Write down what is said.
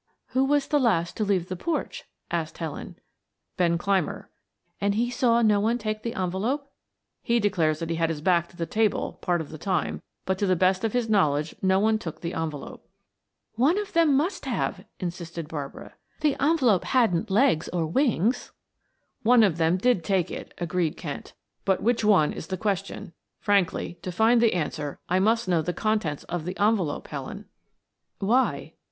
"Who was the last to leave the porch?" asked Helen. "Ben Clymer." "And he saw no one take the envelope?" "He declares that he had his back to the table, part of the time, but to the best of his knowledge no one took the envelope." "One of them must have," insisted Barbara. "The envelope hadn't legs or wings." "One of them did take it," agreed Kent. "But which one is the question. Frankly, to find the answer, I must know the contents of the envelope, Helen." "Why?"